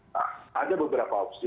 nah ada beberapa opsi